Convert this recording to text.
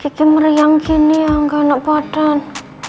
kiki meriang gini ya gak anak badan